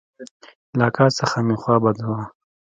له اکا څخه مې خوا بده وه.